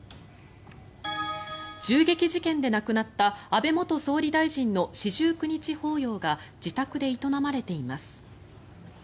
銃撃事件で亡くなった安倍元総理大臣の四十九日法要が自宅で営まれています。